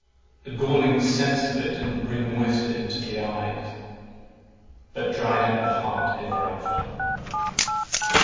The galling sense of it did not bring moisture into the eyes, but dried up the heart ever after.